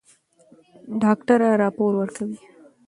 ډاکټره راپور ورکوي.